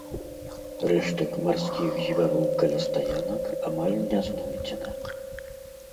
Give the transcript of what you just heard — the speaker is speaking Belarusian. Рэштак марскіх звяроў каля стаянак амаль не знойдзена.